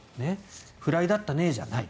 フライだったねじゃない。